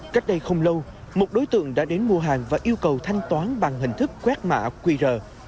cách đây không lâu một đối tượng đã đến mua hàng và yêu cầu thanh toán bằng hình thức quét mạ quy rờ